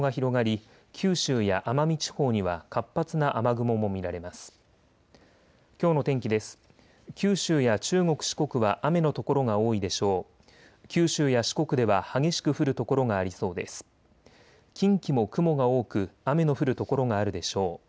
近畿も雲が多く雨の降る所があるでしょう。